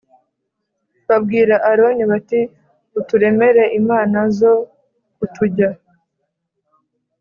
babwira Aroni bati Uturemere imana zo kutujya